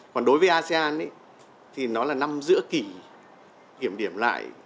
còn đối với asean thì nó là năm giữa kỷ kiểm điểm lại